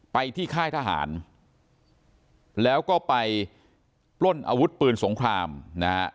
ไปที่ค่ายทหารแล้วก็ไปปล้นอาวุธปืนสงครามนะฮะ